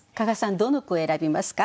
どの句を選びますか？